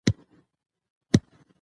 دې خپرونې په د برخه کې